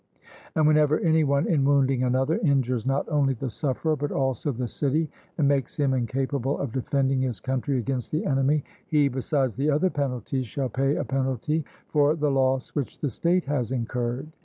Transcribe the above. And whenever any one in wounding another injures not only the sufferer, but also the city, and makes him incapable of defending his country against the enemy, he, besides the other penalties, shall pay a penalty for the loss which the state has incurred.